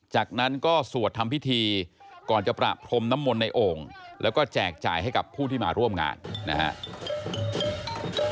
จากนั้นก็สวดทำพิธีก่อนจะประพรมน้ำมนต์ในโอ่งแล้วก็แจกจ่ายให้กับผู้ที่มาร่วมงานนะครับ